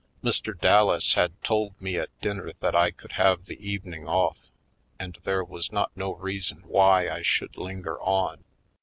Mr. Dallas had told me at dinner that I could have the eve ning off and there was not no reason why I should linger on.